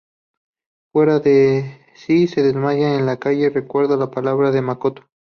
Fuera de sí, se desmaya en la calle y recuerda las palabras de Makoto.